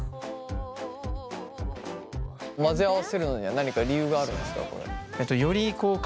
混ぜ合わせるのには何か理由があるんですか？